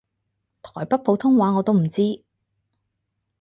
台北普通話我都唔知